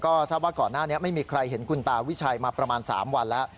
ก็ทราบว่าก่อนหน้านี้ไม่มีใครเห็นคุณตาวิชัยมาประมาณ๓วันแล้ว